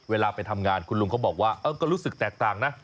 เวลาไปทำงานคุณลุงเขาบอกว่าก็รู้สึกแตกต่างนะ